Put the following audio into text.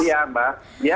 selamat siang mbak